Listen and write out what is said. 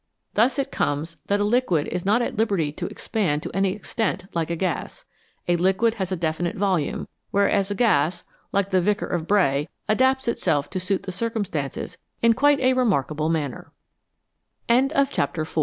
Thus it comes that a liquid is not at liberty to expand to any extent like a gas ; a liquid has a definite volume, whereas a gas, like the Vicar of Bray, adapts itself to suit the circumstances in quite a remarkable manne